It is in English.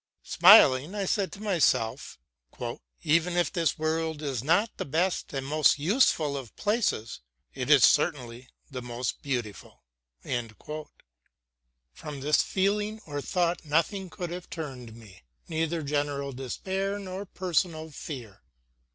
Smiling I said to myself: "Even if this world is not the best and most useful of places, it is certainly the most beautiful." From this feeling or thought nothing could have turned me, neither general despair nor personal fear.